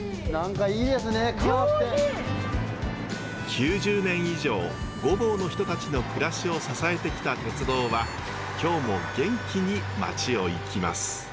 ９０年以上御坊の人たちの暮らしを支えてきた鉄道は今日も元気に町を行きます。